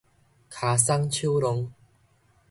跤鬆手弄